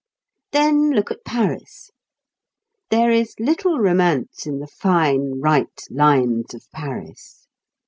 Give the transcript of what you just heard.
Then look at Paris; there is little romance in the fine right lines of Paris.